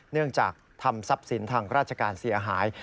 เนื่องจากทำทรัพย์สินทางราชการเสียหาย